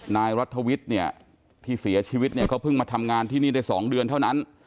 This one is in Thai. นายรัฐวิทย์เนี่ยที่เสียชีวิตเนี่ยเขาเพิ่งมาทำงานที่นี่ได้๒เดือนเท่านั้น